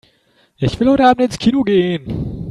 Ich will heute Abend ins Kino gehen.